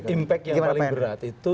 impact yang paling berat itu